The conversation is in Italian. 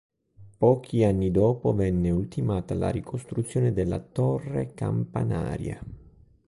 Pochi anni dopo venne ultimata la ricostruzione della torre campanaria.